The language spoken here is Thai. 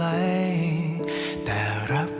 สวัสดีครับ